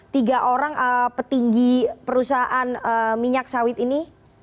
tiga orang petinggi perusahaan minyak sawit ini